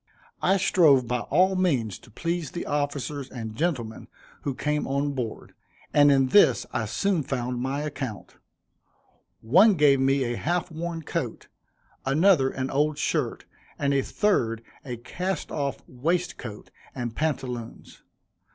I strove by all means to please the officers and gentlemen who came on board, and in this I soon found my account. One gave me a half worn coat, another an old shirt, and a third, a cast off waistcoat and pantaloons.